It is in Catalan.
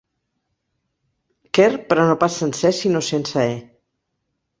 Quer, però no pas sencer sinó sense e.